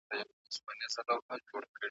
¬ دوه پکه، هغه هم سره ورکه.